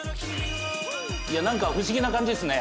なんか不思議な感じですね。